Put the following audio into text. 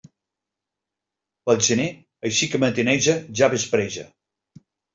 Pel gener així que matineja ja vespreja.